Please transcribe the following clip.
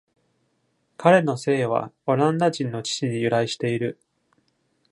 彼の姓はオランダ人の父に由来している。